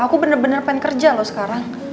aku bener bener pengen kerja loh sekarang